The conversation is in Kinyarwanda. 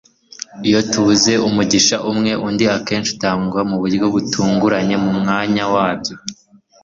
iyo tubuze umugisha umwe, undi akenshi utangwa mu buryo butunguranye mu mwanya wabyo - c s lewis